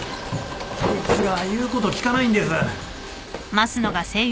こいつが言うこと聞かないんです。